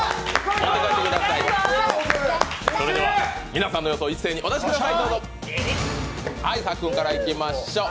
皆さんの予想、一斉にお出しください。